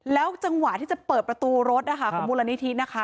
แล้วจังหวะที่จะเปิดประตูรถนะคะของมูลนิธินะคะ